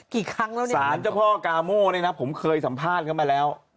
กี่ครั้งแล้วเนี่ยสารเจ้าพ่อกาโม่เนี่ยนะผมเคยสัมภาษณ์เข้ามาแล้ว